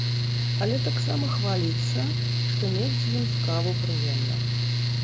Але таксама хваліцца, што мець з ім справу прыемна.